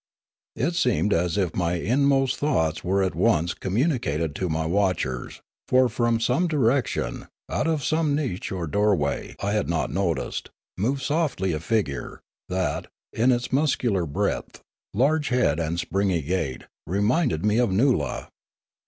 It seemed as if my inmost thoughts were at once com municated to my watchers; for from some direction, out of some niche or doorway I had not noticed, moved softly a figure, that, in its muscular breadth, large head, and springy gait, reminded me of Noola.